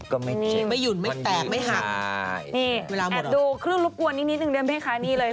ก็ไม่เจ็บไม่หักไม่หยุ่นไม่แตกใช่นี่แอดดูครึ่งรุบกวนนิดนึงด้วยเมฆคานี้เลย